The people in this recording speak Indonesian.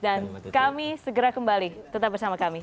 dan kami segera kembali tetap bersama kami